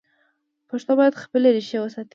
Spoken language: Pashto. پښتو باید خپلې ریښې وساتي.